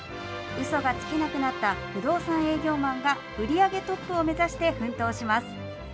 うそがつけなくなった不動産営業マンが売り上げトップを目指して奮闘します。